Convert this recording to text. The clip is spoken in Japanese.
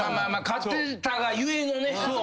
勝ってたが故のね。